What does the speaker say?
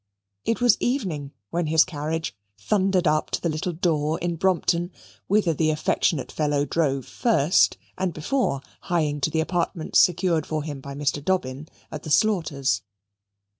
It was evening when his carriage thundered up to the little door in Brompton, whither the affectionate fellow drove first, and before hieing to the apartments secured for him by Mr. Dobbin at the Slaughters'.